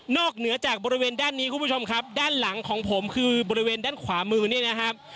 เหนือจากบริเวณด้านนี้คุณผู้ชมครับด้านหลังของผมคือบริเวณด้านขวามือเนี่ยนะครับ